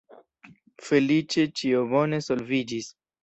Feliĉe ĉio bone solviĝis.